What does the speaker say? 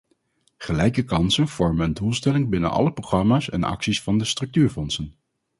Gelijke kansen vormen een doelstelling binnen alle programma's en acties van de structuurfondsen.